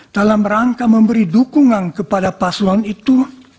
dalam rangka memberi dukungan kepada paslon itu